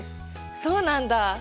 そうなんだ。